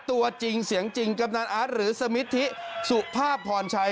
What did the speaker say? ตัวจริงเสียงจริงกำนันอาร์ตหรือสมิทธิสุภาพพรชัย